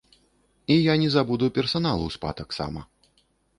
І я не забуду персанал у спа таксама.